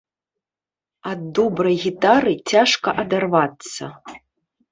Ад добрай гітары цяжка адарвацца.